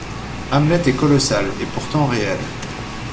Hamlet est colossal, et pourtant réel.